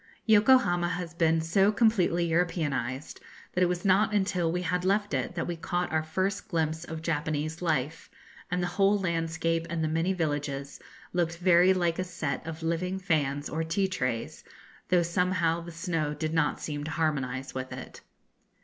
Yokohama has been so completely Europeanised, that it was not until we had left it that we caught our first glimpse of Japanese life; and the whole landscape and the many villages looked very like a set of living fans or tea trays, though somehow the snow did not seem to harmonise with it.